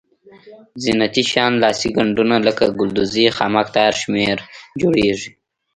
زینتي شیان لاسي ګنډونه لکه ګلدوزي خامک تار شمېر جوړیږي.